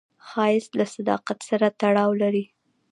ښایست له صداقت سره تړاو لري